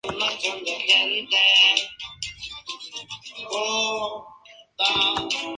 La victoria fue para el lado romano.